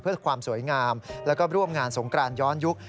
เพื่อความสวยงามแล้วก็ร่วมงานสงกรานย้อนยุค